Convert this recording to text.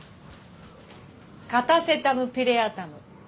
カタセタムピレアタム。